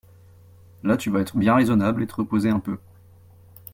Là, tu vas être bien raisonnable et te reposer un peu.